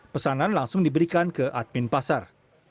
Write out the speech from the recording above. pesanan langsung diberikan ke admin pasar